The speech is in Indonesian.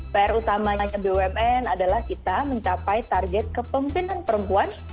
perutamanya bumn adalah kita mencapai target kepemimpinan perempuan